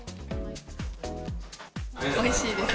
おいしいです。